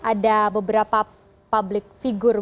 ada beberapa public figure